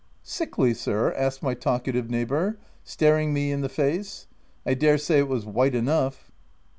u Sickly, sir ?" asked my talkative neighbour, staring me in the face ( I dare say it was white enough.)